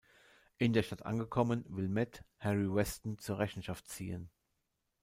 In der Stadt angekommen will Matt Harry Weston zur Rechenschaft ziehen.